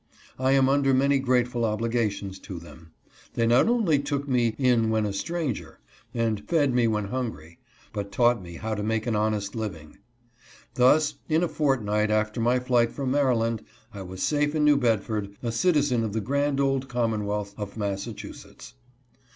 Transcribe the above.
I am under many grateful obligations to them. They not only " took me in when a stranger," and "fed me when hungry," but taught me how to make an honest living. Thus, in a fortnight after my flight from Maryland, I was safe in New Bedford, — a citizen of the grand old commonwealth of Massachusetts.